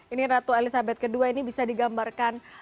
ini ratu elizabeth ii ini bisa digambarkan